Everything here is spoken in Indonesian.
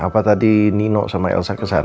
maksudnya sama semua orang